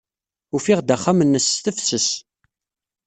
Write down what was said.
Ufiɣ-d axxam-nnes s tefses.